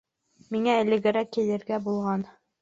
- Миңә элегерәк килергә булған.